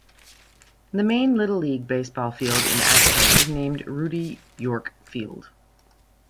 The main Little League baseball field in Atco is named Rudy York Field.